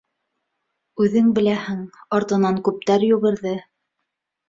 Үҙең беләһең, артынан күптәр йүгерҙе...